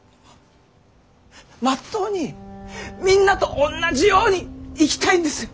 まっとうにみんなとおんなじように生きたいんですよ。